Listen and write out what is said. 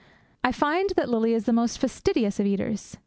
I find that Lily is the most fastidious of eaters.